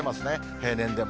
平年でも。